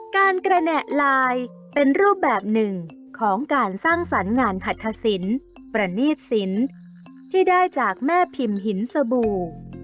การกระแหน่ลายเป็นรูปแบบหนึ่งของการสร้างสรรค์งานหัตถสินประณีตสินที่ได้จากแม่พิมพ์หินสบู่